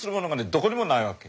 どこにもないわけ。